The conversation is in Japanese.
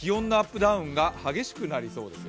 ダウンが激しくなりそうです。